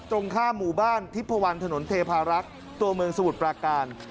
ตรงข้ามหมู่บ้านทิพพวันถนนเทพารักษ์ตัวเมืองสมุทรปราการ